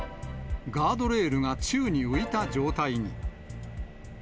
ガードレールが宙に浮いた状態に。